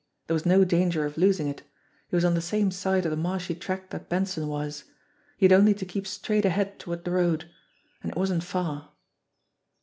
There was no danger of losing it. He was on the same side of the marshy tract that Benson was. He had only to keep straight ahead toward the road. And it wasn't far.